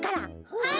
はい！